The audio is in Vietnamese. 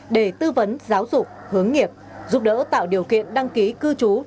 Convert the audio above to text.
để tư vấn giáo dục hướng nghiệp giúp đỡ tạo điều kiện đăng ký cư trú